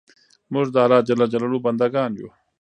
موږ د الله ج بندګان یو